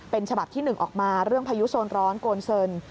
เป็นฉบับที่๑ออกมาเรื่องพายุโซนร้อนโกนเซิน